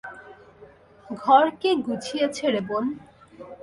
ঘর কে গুছিয়েছে রে, বোন?